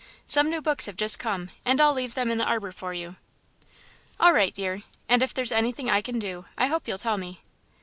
Some new books have just come, and I'll leave them in the arbour for you." "All right, dear, and if there's anything I can do, I hope you'll tell me."